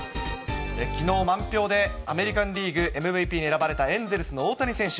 きのう、満票でアメリカンリーグＭＶＰに選ばれたエンゼルスの大谷選手。